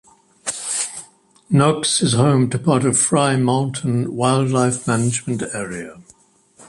Knox is home to part of Frye Mountain Wildlife Management Area.